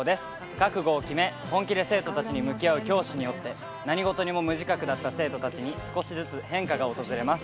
覚悟を決め、本気で生徒たちに向き合う教師によって、何事にも無自覚だった生徒たちに少しずつ変化が訪れます。